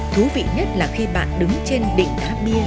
thú vị nhất là khi bạn đứng trên định đá bia